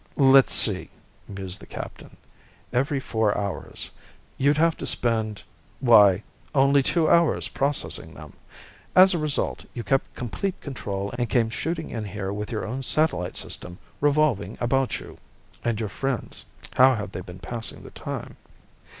"Let's see " mused the captain. "Every four hours, you'd have to spend ... why, only two hours processing them. As a result, you kept complete control and came shooting in here with your own satellite system revolving about you." "And your friends? How have they been passing the time?"